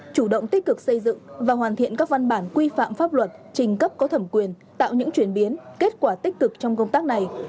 chủ động tích cực xây dựng và hoàn thiện các văn bản quy phạm pháp luật trình cấp có thẩm quyền tạo những chuyển biến kết quả tích cực trong công tác này